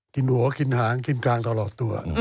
กินหัวกินหางกินกลางตลอดตัว